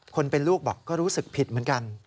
คนเป็นลูกบอกก็รู้สึกผิดเหมือนกัน